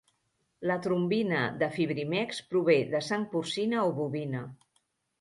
La trombina de Fibrimex prové de sang porcina o bovina.